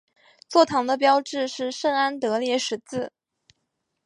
座堂的标志是圣安德烈十字。